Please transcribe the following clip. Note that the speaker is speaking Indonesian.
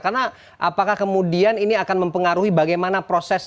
karena apakah kemudian ini akan mempengaruhi bagaimana proses